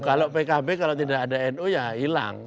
kalau pkb kalau tidak ada nu ya hilang